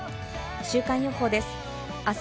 週間予報です。